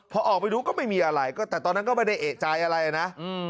พอออกไปดูก็ไม่มีอะไรก็แต่ตอนนั้นก็ไม่ได้เอกใจอะไรนะ